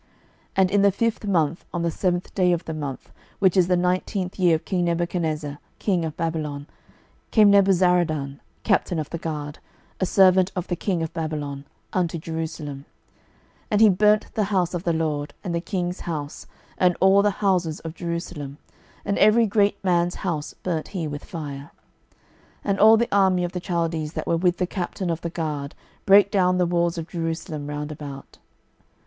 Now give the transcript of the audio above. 12:025:008 And in the fifth month, on the seventh day of the month, which is the nineteenth year of king Nebuchadnezzar king of Babylon, came Nebuzaradan, captain of the guard, a servant of the king of Babylon, unto Jerusalem: 12:025:009 And he burnt the house of the LORD, and the king's house, and all the houses of Jerusalem, and every great man's house burnt he with fire. 12:025:010 And all the army of the Chaldees, that were with the captain of the guard, brake down the walls of Jerusalem round about.